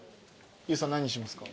優さん何にしますか？